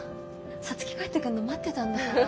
皐月帰ってくんの待ってたんだから。